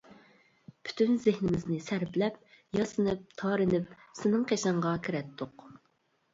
پۈتۈن زېھنىمىزنى سەرپلەپ ياسىنىپ-تارىنىپ سېنىڭ قېشىڭغا كىرەتتۇق.